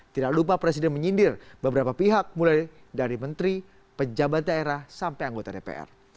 tidak lupa presiden menyindir beberapa pihak mulai dari menteri pejabat daerah sampai anggota dpr